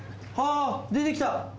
出てきた。